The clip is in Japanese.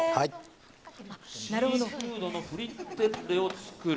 シーフードのフリッテッレを作る。